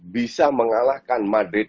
bisa mengalahkan madrid